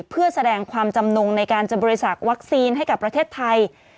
เพื่อแสดงความจำนงในการจะบริจาควัคซีนให้กับประเทศไทย